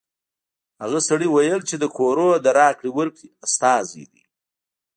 هغه سړي ویل چې د کورونو د راکړې ورکړې استازی دی